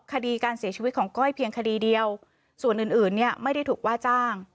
คดีการเสียชีวิตของก้อยเพียงคดีเดียวส่วนอื่นอื่นเนี่ยไม่ได้ถูกว่าจ้าง